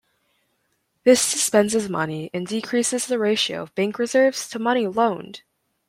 This dispenses money and decreases the ratio of bank reserves to money loaned.